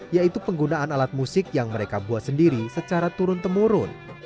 yaitu penggunaan alat musik yang mereka buat sendiri secara turun temurun